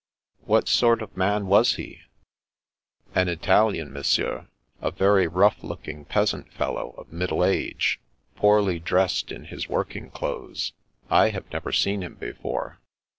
" What sort of man was he ?" "An Italian, Monsieur; a very rough looking peasant fellow of middle age, poorly dressed in his working clothes. I have never seen him be fore."